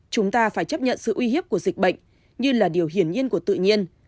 chúng ta phải chấp nhận sự uy hiếp của dịch bệnh như là điều hiển nhiên của tự nhiên